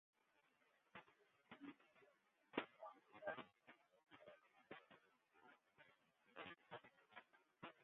It iis sil dêr nei alle gedachten net sterk genôch wêze.